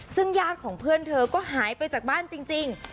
ซึ่งญาติของเพื่อนเธอก็หายไปจากบ้านจริง